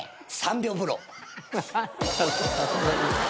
３秒風呂。